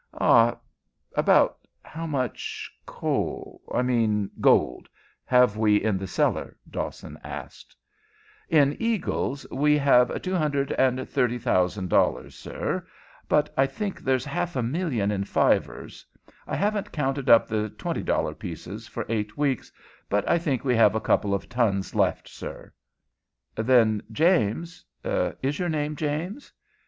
"Ah about how much coal I mean gold have we in the cellar?" Dawson asked. "In eagles we have $230,000, sir, but I think there's half a million in fivers. I haven't counted up the $20 pieces for eight weeks, but I think we have a couple of tons left, sir." "Then, James Is your name James?"